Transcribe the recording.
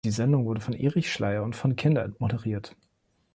Die Sendung wurde von Erich Schleyer und von Kindern moderiert.